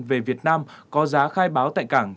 về việt nam có giá khai báo tại cảng